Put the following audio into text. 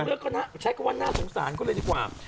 เลือกก็ใช้กับว่าน่าสงสารก็เลยดีกว่า